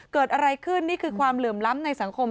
เกิดอะไรขึ้นนี่คือความเหลื่อมล้ำในสังคม